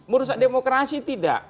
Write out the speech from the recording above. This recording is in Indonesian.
menurut demokrasi tidak